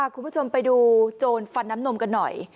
คุณผู้ชมไปดูโจรฟันน้ำนมกันหน่อย